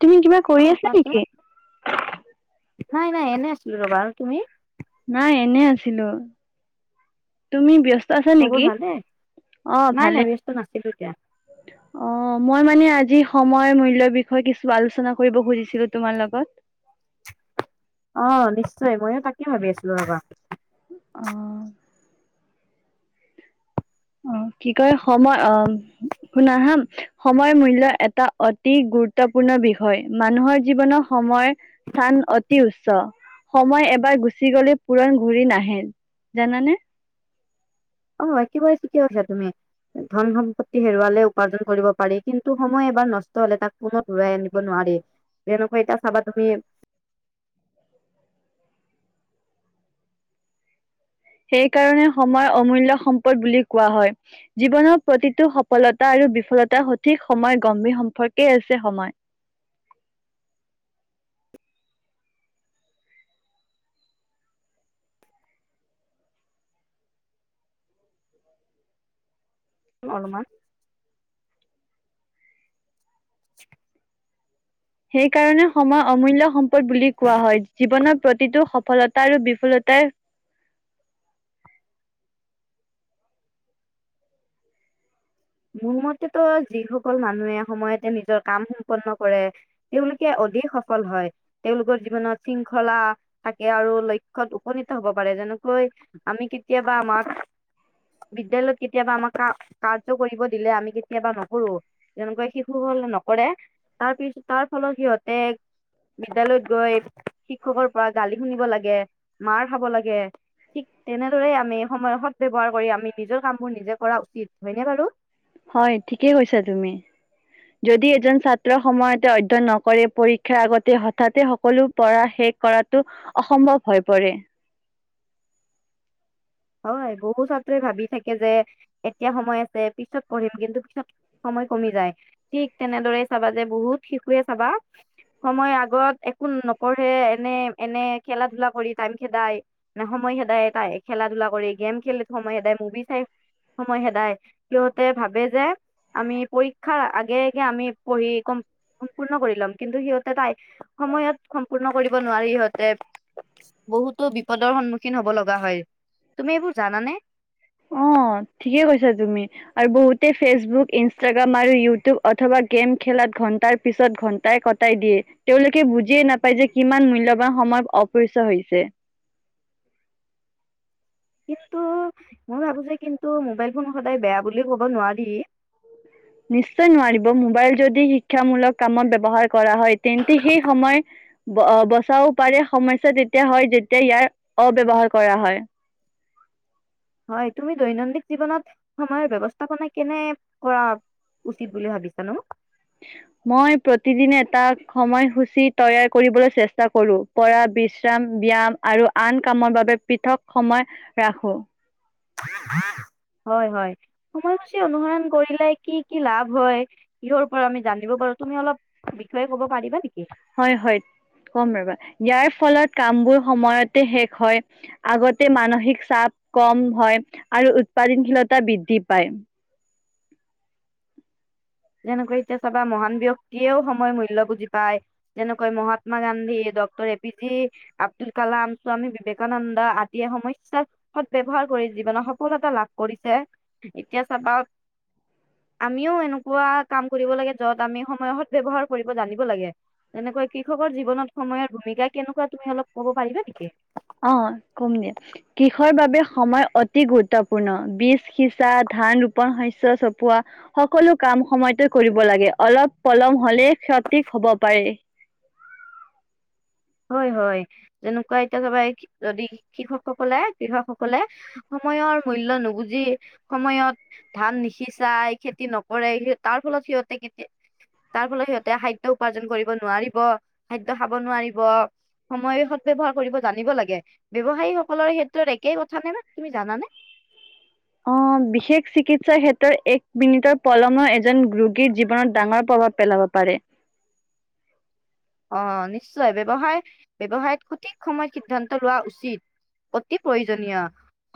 তুমি কিবা কৰি অ' আছা কোৱাচোন। নেকি? নাই নাই, এনে আছিলো ৰ'বা! আৰু তুমি? নাই এনে আছিলো। তুমি ব্যস্ত আছে খবৰ নেকি? ভালে অ' নাই ভালে। নাই ব্যস্ত নাছিলো এতিয়া অ' মই মানে আজি সময়ৰ মূল্যৰ বিষয়ে কিছু আলোচনা কৰিব খুজিছিলো তোমাৰ লগত। অ' নিশ্চয় ময়ো তাকে ভাবি আছিলো ৰ'বা! অ'। অ' কি কয় সময় অ' শুনা হা? সময় মূল্য এটা অতি গুৰুত্বপূৰ্ণ বিষয়। মানুহ জীৱন সময় স্থান অতি উচ্চ। সময় এবাৰ গুচি গলে, পূৰণ ঘূৰি নাহে। জানানে? অ' একেবাৰে ঠিকে কৈছা তুমি। ধন-সম্পত্তি হেৰুৱালে উপাৰ্জন কৰিব পাৰি, কিন্তু সময় এবাৰ নষ্ট হলে তাক পুনৰ ঘূৰাই আনিব নোৱাৰি। যেনেকৈ এতিয়া চাবা তুমি সেইকাৰণে সময় অমূল্য সম্পদ বুলি কোৱা হয়। জীৱনৰ প্ৰতিটো সফলতা আৰু বিফলতা সঠিক সময়ৰ গম্ভী সম্পৰ্কে হৈছে সময়। অলমান। [inaudible] সেইকাৰণে সময় অমূল্য সম্পদ বুলি কোৱা হয়। জীৱনৰ প্ৰতিটো সফলতা আৰু বিফলতাই মোৰ মতেটো যিসকল মানুহে সময়তে নিজৰ কাম সম্পূৰ্ণ কৰে। তেওঁলোকে অধিক অধিক সফল হয়। তেওঁলোকৰ জীৱনত শৃংখলা থাকে আৰু লক্ষ্যত উপনীত হ'ব পাৰে। যেনেকৈ- আমি কেতিয়াবা আমাক, বিদ্যালয়ত কেতিয়াবা আমাক কা- মটো কৰিব দিলে আমি কেতিয়াবা নকৰো, যেনেকৈ শিশু হ'ল নকৰে। তাৰ পিছ, তাৰ ফলত সিহঁতে বিদ্যালয়ত গৈ শিক্ষকৰ পৰা গালি শুনিব লাগে, মাৰ খাব লাগে। ঠিক তেনেদৰে, আমি সময় শব্দ ব্যৱহাৰ কৰি আমি নিজৰ কামবোৰ নিজে কৰা উচিত হয়নে বাৰু। হয়, ঠিকেই কৈছা তুমি। যদি এজন ছাত্ৰ সময়তে অধ্যয়ন নকৰে, পৰীক্ষাৰ আগতে সততে সকলো পৰা শেষ কৰাটো অসম্ভৱ হৈ পৰে। হয়, বহুত ছাত্ৰই ভাবি থাকে যে, এতিয়া সময় আছে, পিছত পঢ়িম, কিন্তু পিছত সময় কমি যায়, ঠিক তেনেদৰে চাবা যে বহুত শিশুৱে চাবা সময় আগত একো নপঢ়ে, এনে এনে খেলা-ধূলা কৰি টাইম খেদাই নে সময় খেদাই এটায়ে খেলা-ধূলা কৰি, গেম খেলি সময় খেদাই, মুভি চাই সময় খেদাই, সিহঁতে ভাবে যে আমি পৰীক্ষাৰ আগে-আগে আমি পঢ়ি সম্পূৰ্ণ কৰি ল'ম, কিন্তু সিহঁতে টাই সময়ত সম্পূৰ্ণ কৰিব নোৱাৰে সিহঁতে। বহুতো বিপদৰ সন্মুখীন হ'ব লগা হয়। তুমি এইবোৰ জানানে! অ', ঠিকে কৈছা তুমি। আৰু বহুতে ফেচবুক, ইনষ্টাগ্ৰাম আৰু ইউটিউব অথবা গেম খেলাত ঘণ্টাৰ পিছত ঘণ্টাই ক টাই দিয়ে, তেওঁলোকে বুজিয়ে নাপায় যে কিমান মূল্যবান সময় অপচয় হৈছে। কিন্তু মই ভাবো যে কিন্তু মোবাইল ফোন সদায় বেয়া বুলি ক'ব নোৱাৰি। নিশ্চয় নোৱাৰিব, মোবাইল যদি শিক্ষামূলক কামত ব্যৱহাৰ কৰা হয়। তেন্তে সেই সময় অ, বচাব পাৰি সমস্যা তেতিয়া হয়, যেতিয়া ইয়াৰ অব্যৱহাৰ কৰা হয়। হয়, তুমি দৈনন্দিন জীৱনত সময়ৰ ব্যৱস্থাপনা কেনে হোৱা উচিত বুলি ভাবিছা নো? [inaudible] মই প্ৰতিদিনে এটা সময়সূচী তৈয়াৰ কৰিবলৈ চেষ্টা কৰো, পৰা বিশ্ৰাম, ব্যায়াম আৰু আন কামৰ বাবে পৃথক সময় ৰাখোঁ। হয়, হয়, সময়সূচী অনুসৰণ কৰিলে কি কি লাভ হয়? কিহৰ ওপৰত আমি জানিব পাৰো, তুমি অলপ বিষয়ে ক'ব পাৰিবা নেকি! হয়, হয়, কম ৰ'বা। ইয়াৰ ফলত কামবোৰ সময়তে শেষ হয়। আগতে মানসিক চাপ কম হয় আৰু উৎপাদনশীলতা বৃদ্ধি পায়। যেনেকৈ এতিয়া চাবা মহান ব্যক্তিয়েও সময়ৰ মূল্য বুজি পায়। যেনেকৈ Mahatma Gandhi, doctor A P J Abdul Kalam, Swami Vivekananda আদিয়ে সময়ৰ সদ ব্যৱহাৰ কৰি জীৱনৰ সফলতা লাভ কৰিছে। এতিয়া চাবা আমিও এনেকুৱা কাম কৰিব লাগে য'ত আমি সময়ৰ সদ ব্যৱহাৰ কৰিব জানিব লাগে। তেনেকৈ কৃষকৰ জীৱনত সময়ৰ ভূমিকা কেনেকুৱা? তুমি অলপ ক'ব পাৰিবা নেকি? অ, কম দিয়া। কৃষৰ বাবে সময় অতি গুৰুত্বপূৰ্ণ, বীজ সিঁচা, ধান ৰোপন, শস্য চপোৱা সকলো কাম সময়তে কৰিব লাগে। অলপ পলম হ'লে ক্ষতি হ'ব পাৰে। হয়, হয়, যেনেকুৱা এতিয়া চাবা, যদি কৃষকসকলে কৃষকসকলে সময়ৰ মূল্য নুবুজি, সময়ত ধান নিসিঁচাই, খেতি নকৰে ই ফলত সিহঁতে খেতি তাৰ ফলত সিহঁতে খাদ্য উপাৰ্জন কৰিব নোৱাৰিব, খাদ্য খাব নোৱাৰি ব, সময়ৰ সৎ ব্যৱহাৰ কৰিব জানিব লাগে। ব্যৱসায়ী সকলৰ ক্ষেত্ৰত একে কথা নে না! তুমি জানা নে! অ', বিশেষ চিকিৎসাৰ ক্ষেত্ৰত এক মিনিটৰ পলমো এজন ৰোগীৰ জীৱনত ডাঙৰ প্ৰভাৱ পেলাব পাৰে। অ', নিশ্চয় ব্যৱসায় ব্যৱসায়ত সঠিক সময়ত সিদ্ধান্ত লোৱা উচিত। অতি প্ৰয়োজনীয়।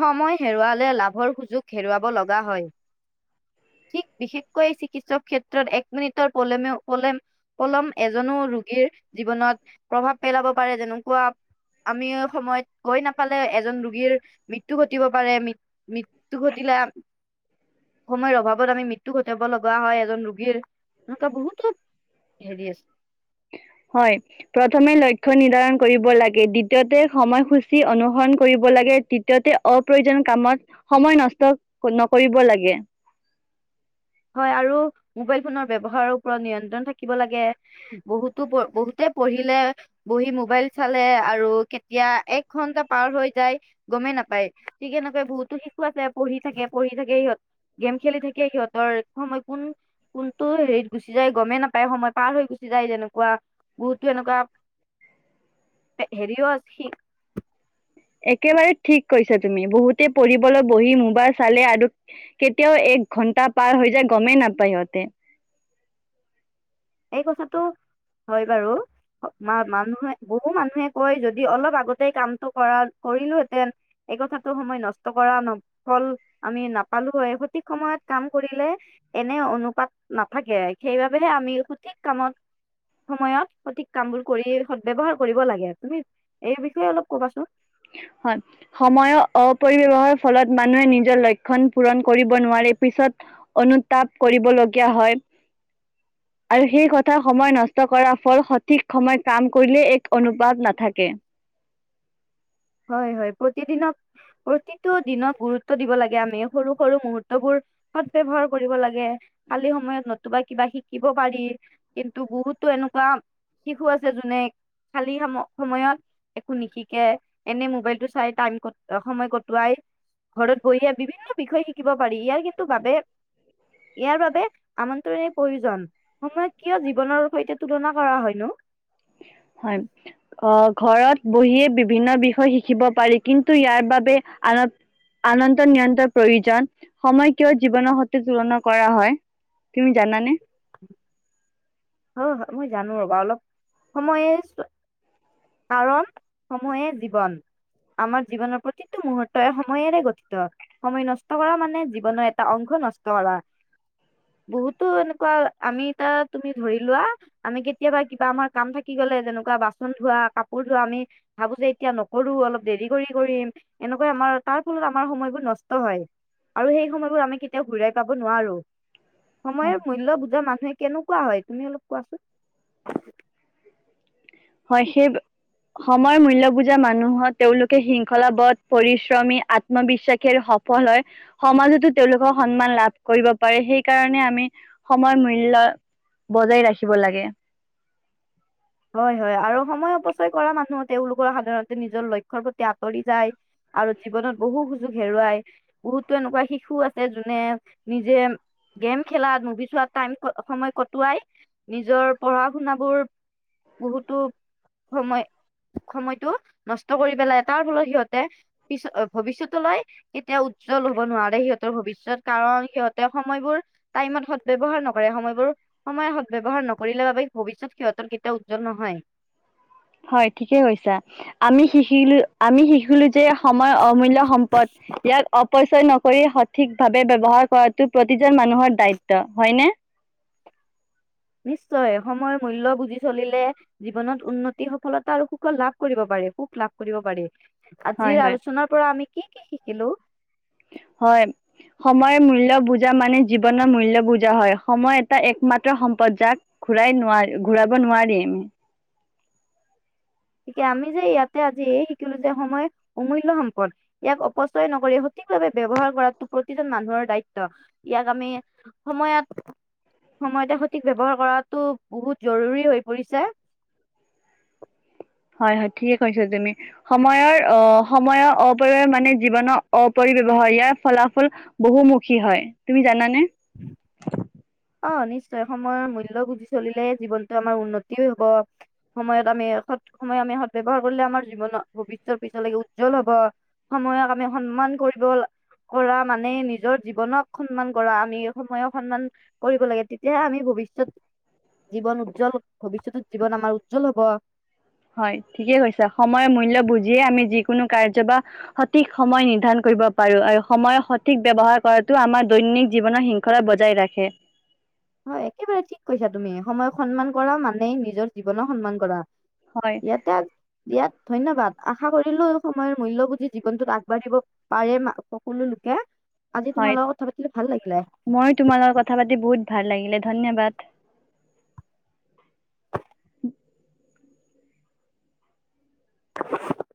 সময় হেৰুৱালে লাভৰ সুযোগ হেৰুৱাব লগা হয়। ঠিক বিশেষকৈ চিকিৎসক ক্ষেত্ৰত এক মিনিটৰ পলমে পলেম পলম এজনো ৰোগীৰ জীৱনত প্ৰভাৱ পেলাব পাৰে যেনেকুৱা আমি সময়ত গৈ নাপালে এজন ৰোগীৰ মৃত্যু ঘটিব পাৰে, মৃ মৃত্যু ঘটিলে সময়ৰ অভাৱত আমি মৃত্যু ঘটাব লগা হয়, এজন ৰোগীৰ সেনেকুৱা বহুতো হেৰি আছে। হয়। প্ৰথমে লক্ষ্য নিৰ্ধাৰণ কৰিব লাগে, দ্বিতীয়তে সময়সূচী অনুসৰণ কৰিব লাগে, তৃতীয়তে অপ্ৰয়োজনীয় কামত সময় নষ্ট নকৰিব লাগে। হয়, আৰু মোবাইল ফোনৰ ব্যৱহাৰৰ ওপৰত নিয়ন্ত্ৰণ থাকিব লাগে। বহুতো প বহুতে পঢ়িলে বহি মোবাইল চালে আৰু কেতিয়া এক ঘন্টা পাৰ হৈ যায় গমেই নাপায় ঠিক এনেকৈ বহুতো শিশু আছে পঢ়ি থাকে পঢ়ি থাকে, সিহঁত গেম খেলি থাকে সিহঁত ৰ সময় কোন কোনটো হেৰিত গুচি যায় গ'মেই নাপায়, সময় পাৰ হৈ গুচি যায় যেনেকুৱা বহুতো এনেকুৱা হেৰিও আছে [unintelligible] একেবাৰে ঠিক কৈছা তুমি বহুতে পঢ়িবলৈ বহি মোবাইল চালে আৰু কেতিয়াও এক ঘন্টা পাৰ হৈ যায় গ'মেই নাপায় সিহঁতে। এই কথাটো হয় বাৰু। অ', মা-মানুহে বহু মানুহে কয় যদি অলপ আগতে কামটো কৰা কৰিলোহেঁতেন। এই কথাটো সময় নষ্ট কৰা ন ফল আমি নাপালো হয়, সঠিক সময়ত কাম কৰিলে এনে অনুপাত নাথাকে সেইবাবেহে আমি সঠিক কামত সময়ত সঠিক কাম বোৰ কৰি সদ ব্যৱহাৰ কৰিব লাগে। তুমি এই বিষয়ে অলপ কবাচোন? হয়। সময়ৰ অপৰিব্যৱহাৰ ফলত মানুহে নিজৰ লক্ষণ পূৰণ কৰিব নোৱাৰে, পিছত অনুতাপ কৰিবলগীয়া হয়। আৰু সেই কথা সময় নষ্ট কৰাৰ ফল সঠিক সময় কাম কৰিলে এক অনুপাত নাথাকে। হয়, প্ৰতিদিনক প্ৰতিটো দিনত গুৰুত্ব দিব লাগে আমি সৰু সৰু মুহূৰ্ত বোৰ সৎব্ৱহাৰ কৰিব লাগে খালি সময়ত নতুবা কিবা শিকিব পাৰি। কিন্তু বহুতো এনেকুৱা শিশু আছে যোনে খালী সম-সময়ত একো নিশিকে।। এনেই মোবাইলটো চাই টাইম সময় কটোৱাই। ঘৰত বহি বিভিন্ন বিষয় শিকিব পাৰি ইয়াৰ কিন্তু বাবে ইয়াৰ বাবে আমন্ত্ৰণে প্ৰয়োজন। সময় কিয় জীৱনৰ সৈতে তুলনা কৰা হয়নো? হয়। আহ, ঘৰত বহিয়ে বিভিন্ন বিষয় শিকিব পাৰি কিন্তু ইয়াৰ বাবে আন আনন্ত নিয়ন্তৰ প্ৰয়োজন সময় কিয় জীৱনৰ সতে তুলনা কৰা হয়। তুমি জানা নে? [inaudible] হয়, হয় মই জানোঁ ৰ'বা অলপ সময়ে কাৰণ সময়ে জীৱন। আমাৰ জীৱনৰ প্ৰতিটো মুহুৰ্ত এ সময়েৰে গঠিত। সময় নষ্ট কৰা মানে জীৱনৰ এটা অংশ নষ্ট কৰা। বহুতো এনেকুৱা আমি এটা তুমি ধৰি লোৱা। আমি কেতিয়াবা কিবা আমাৰ কাম থাকি গলে যেনেকুৱা বাচন ধোৱা কাপোৰ ধোৱা আমি ভাবো যে এতিয়া নকৰো অলপ দেৰি কৰি কৰিম এনেকৈ আমাৰ তাৰ ফলত আমাৰ সময়বোৰ নষ্ট হয়। আৰু সেই সময়বোৰ আমি কেতিয়াও ঘূৰাই পাব নোৱাৰো। সময়ৰ মূল্য বুজা মানুহে কেনেকুৱা হয় তুমি অলপ কোৱাচোন। হয়, সেই সময়ৰ মূল্যবুজা মানুহত তেওঁলোকে শৃংখলাবধ পৰিশ্ৰমী আ আত্মবিশ্বাসি আৰু সফল হয়। সমাজতো তেওঁলোকৰ সন্মান লাভ কৰিব পাৰে সেইকাৰণে আমি সময় মূল্য বজাই ৰাখিব লাগে। হয়, হয় আৰু সময় অপচয় কৰা মানুহ তেওঁলোকৰ সাধাৰণতে নিজৰ লক্ষ্যৰ প্ৰতি আঁতৰি যায়। আৰু জীৱনত বহু সুযোগ হেৰুৱাই বহুতো এনেকুৱা শিশু আছে যোনে নিজে গেম খেলাত মুভি চোৱাত টাইম সময় কটোৱাই নিজৰ পঢ়া শুনাবোৰ বহুতো সময় সময়তটো নষ্ট কৰি পেলাই তাৰ ফলত সিহঁতে পি ভৱিষ্যতলৈ কেতিয়াও উজ্জ্বল হব নোৱাৰে সিহঁতৰ ভৱিষ্যয়ত কাৰণ সিহঁতে সময়বোৰ টাইমত সদ ব্যয়ৱহাৰ নকৰে সময়বোৰ সদব্যয়ৱহাৰ নকৰিলে বাবে সিহঁতৰ এটা উজ্জ্বল নহয়। হয় ঠিকে কৈছা, আমি শিকিলো আমি শিকিলো যে সময়ৰ অমূল্যয় সম্পদ। ইয়াক অপচয় নকৰি ভাৱে ব ব্যৱহাৰ প্ৰতিজন মানুহৰ দায়িত্ব হয়নে? নিশ্চয় সময়ৰ মূল্য বুজি চলিলে জীৱনত উন্নতি সফলতা আৰু সুখ লাভ কৰিব পাৰে সুখ লাভ কৰিব পাৰি। হয় আজিৰ হয় আলোচনাৰ পৰা আমি কি, কি শিকিলো? হয়। সময়ৰ মূল্য বুজা মানে জীৱনৰ মূল্য বুজা হয়, সময় এটা একমাত্ৰ সম্পদ যাক ঘূৰাই নোৱাৰ ঘূৰাব নোৱাৰি আমি গতিকে আমি যে ইয়াতে আজি শিকিলোঁ যে সময় অমূল্য সম্পদ। ইয়াক অপচয় নকৰি সঠিকভাৱে ব্যৱহাৰ কৰাটো প্ৰতিজন মানুহৰ দায়িত্ব ইয়াক আমি সময়ত সময়তে সঠিক ব্যৱহাৰ কৰাতো বহুত জৰুৰী হৈ পৰিছে। হয়, হয় ঠিকে কৈছা তুমি। সময়ৰ আহ সময়ৰ অপৰিৱ মানে জীৱনৰ অপৰিব্যৱহাৰ ইয়াৰ ফলাফল বহুমুখী হয় তুমি জানা নে। অ', নিশ্চয় সময়ৰ মূল্য বুজি চলিলে জীৱনটো আমাৰ উন্নতিও হ'ব। সময়ত আমি সৎ সময় আমি সদব্যৱহাৰ কৰিলে আমাৰ জীৱনত ভৱিষ্যৰ পিছলৈকে উজ্জ্বল হ'ব। সময়ক আমি সন্মান কৰিব লা কৰা মানে নিজৰ জীৱনক সন্মান কৰা আমি সময়ক সন্মান কৰিব লাগে তেতিয়াহে আমি ভৱিষ্যত জীৱন উজ্জ্বল ভৱিষ্যতত জীৱন আমাৰ উজ্জ্বল হ'ব। হয় ঠিকেই কৈছা, সময়ৰ মূল্য বুজিয়ে আমি যিকোনো কাৰ্য বা সঠিক সময় নিৰ্ধাৰণ কৰিব পাৰো আৰু সময়ৰ সঠিক ব্যৱহাৰ কৰাতো আমাৰ দৈনন্দিক জীৱনৰ শৃং খৰা বজাই ৰাখে হয় একেবাৰে ঠিক কৈছা তুমি সময়ক সন্মান কৰা মানেই নিজৰ জীৱনক সন্মান কৰা হয় ইয়াতে ইয়াত ধন্যবাদ আশা কৰিলো সময়ৰ মূল্য বুজি জীৱনটোত আগবাঢ়িব পাৰে মা সকলো লোকে আজি হয় তোমাৰ লগত কথা পাতিলো ভাল লাগিলে মই তোমাৰ লগত কথা পাতি বহুত ভাল লাগিলে ধন্যবাদ [inaudible]